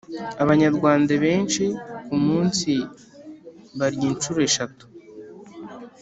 abanyarwanda benshi ku munsi barya inshuro eshatu (